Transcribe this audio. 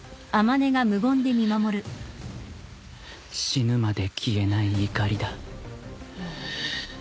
死ぬまで消えない怒りだ